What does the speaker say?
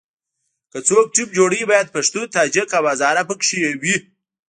که څوک ټیم جوړوي باید پښتون، تاجک او هزاره په کې وي.